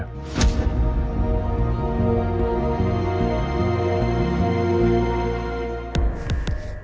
kamu jangan takut ya